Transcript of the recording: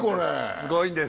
すごいんです。